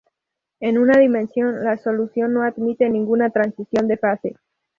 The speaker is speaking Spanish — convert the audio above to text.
En una dimensión, la solución no admite ninguna transición de fase.